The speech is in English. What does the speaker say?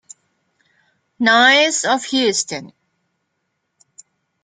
Noyes of Houston.